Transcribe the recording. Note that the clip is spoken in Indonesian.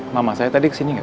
mama saya tadi kesini gak